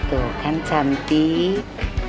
tuh kan cantik